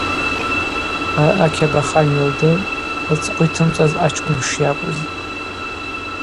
Араъа Кьабахан йылдыртӏ лцӏыхъва йтымцӏуаз ачкӏвын шйакӏвыз.